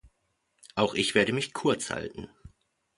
Auch ich werde mich kurz halten.